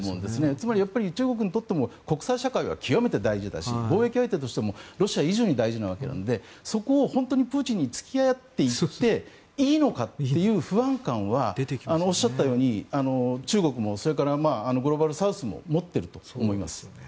つまり、中国にとっても国際社会が極めて大事だし貿易相手としてもロシアは非常に大事なわけなのでそこを本当にプーチンに付き合っていっていいのかという不安感はおっしゃったように中国もそれからグローバルサウスも持っていると思います。